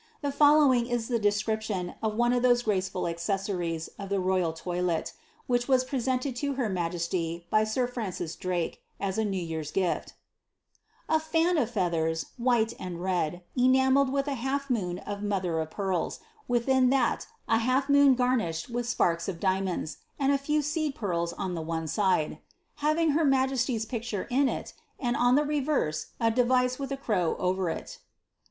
The following is the description of one of those graceful tccessories to the royal toilet, which was presented to her majesty by sir Francis Drake, as a new year's gift :— "A fan of feathers, white and red, enamelled with a half moon of mother of pearls, within that a half moon garnished with sparks of diamonds, and a few seed pearls on the one side; having her majesty's picture within it; and on the reverse a device with a crow over it."